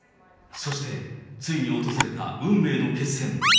そして、ついに訪れた運命の決戦。